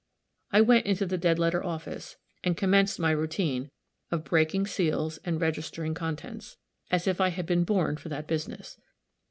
I went into the dead letter office, and commenced my routine of breaking seals and registering contents, as if I had been born for that business.